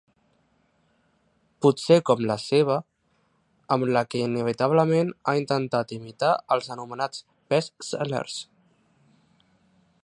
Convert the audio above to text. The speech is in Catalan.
Potser com la seva, amb la que inevitablement ha intentat imitar els anomenats best-sellers.